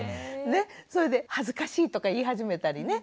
それで「恥ずかしい」とか言い始めたりね。